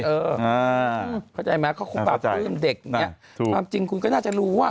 เออเข้าใจไหมที่เขาฝ่าปื้มเด็กนี่จริงจริงคุณก็น่าจะรู้วะ